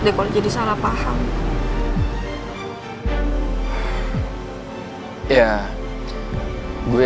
kay k fishy udah cerita apa aja ke mendy